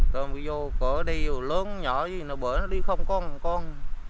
tôm đi vô cỡ đi vô lớn nhỏ gì nó bởi nó đi không con con